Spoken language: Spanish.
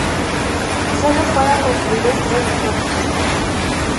Solo fueron construidos tres prototipos.